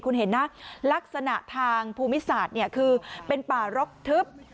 คุณเห็นนะลักษณะทางภูมิศาสตร์เนี่ยคือเป็นป่ารกทึบ